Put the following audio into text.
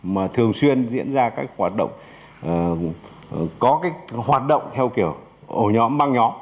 mà thường xuyên diễn ra các hoạt động có hoạt động theo kiểu ổ nhóm băng nhóm